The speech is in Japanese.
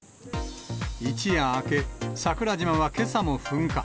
一夜明け、桜島はけさも噴火。